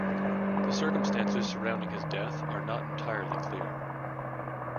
The circumstances surrounding his death are not entirely clear.